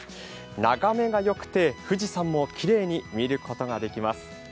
眺めがよくて、富士山もきれいに見ることができます。